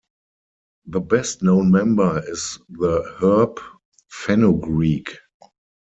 The best known member is the herb fenugreek.